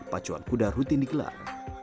pacuan kuda rutin dikelar